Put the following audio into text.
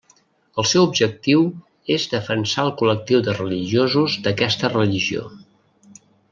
El seu objectiu és defensar el col·lectiu de religiosos d'aquesta religió.